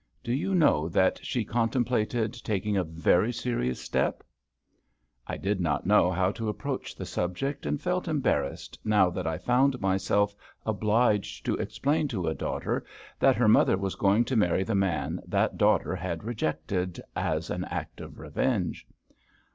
Do you know that she contemplated taking a very serious step?" I did not know how to approach the subject, and felt embarrassed now that I found myself obliged to explain to a daughter that her mother was going to marry the man that daughter had rejected, as an act of revenge.